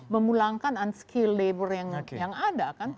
memulangkan unskill labor yang ada kan